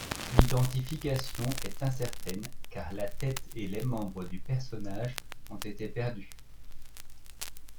L'identification est incertaine car la tête et les membres du personnage ont été perdus.